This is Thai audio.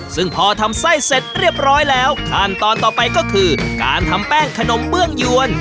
ซึ่งพอทำไส้เสร็จเรียบร้อยแล้วขั้นตอนต่อไปก็คือการทำแป้งขนมเบื้องยวน